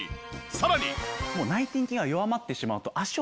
さらに。